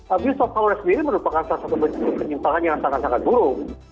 abuse of power sendiri merupakan salah satu bentuk penyimpangan yang sangat sangat buruk